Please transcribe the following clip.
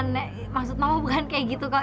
nek maksud mama bukan kayak gitu kok